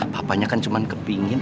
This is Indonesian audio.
papanya kan cuman kepingin